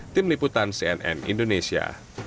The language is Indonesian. tim liputan cnn indonesia